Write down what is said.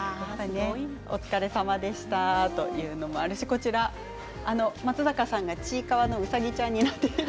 お疲れさまでしたというのもあるし松坂さんがちいかわのうさぎちゃんになっている。